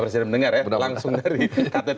terima kasih pak bapak pak ibu ibu